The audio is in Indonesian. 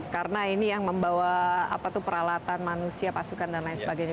karena ini yang membawa peralatan manusia pasukan dan lain sebagainya